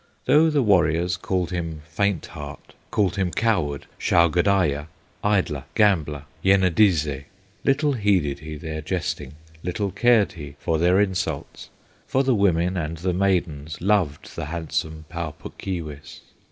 Though the warriors called him Faint Heart, Called him coward, Shaugodaya, Idler, gambler, Yenadizze, Little heeded he their jesting, Little cared he for their insults, For the women and the maidens Loved the handsome Pau Puk Keewis.